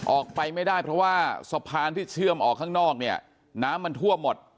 ออกไปไม่ได้เพราะว่าสะพานที่เชื่อมออกข้างนอกเนี่ยน้ำมันทั่วหมด